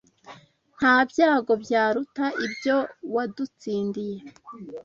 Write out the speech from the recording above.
Nta byago byaruta ibyo wadutsindiye